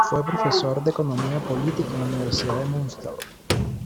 Fue profesor de economía política en la Universidad de Münster.